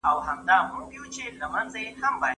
ولي هوډمن سړی د پوه سړي په پرتله ژر بریالی کېږي؟